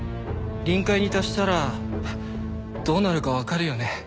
臨界に達したらどうなるかわかるよね？